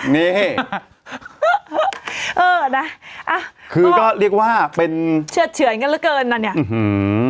นี่เออนะอ่ะคือก็เรียกว่าเป็นเชือดเฉือนกันเหลือเกินน่ะเนี้ยอื้อหือ